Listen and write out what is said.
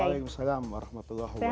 waalaikumsalam warahmatullahi wabarakatuh